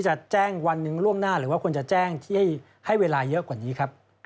จะแจ้งวันหนึ่งล่วงหน้าหรือว่าควรจะแจ้งที่ให้เวลาเยอะกว่านี้ครับ